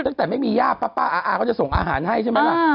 ตั้งแต่ไม่มียาพป้ามี้พี่เขาส่งอาหารให้ใช่มั๊ย